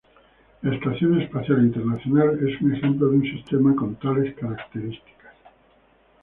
La Estación Espacial Internacional es un ejemplo de un sistema con tales características.